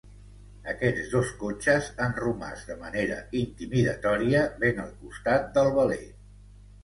Aquests dos cotxes han romàs, de manera intimidatòria, ben al costat del veler.